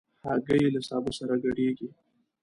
هګۍ له سابه سره ګډېږي.